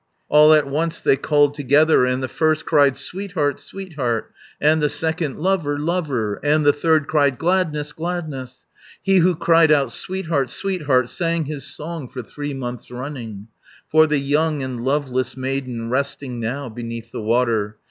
All at once they called together, And the first cried, "Sweetheart, sweetheart!" 490 And the second, "Lover, lover!" And the third cried, "Gladness, gladness!" He who cried out, "Sweetheart, sweetheart!" Sang his song for three months running, For the young and loveless maiden, Resting now beneath the water.